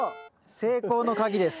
成功の鍵です。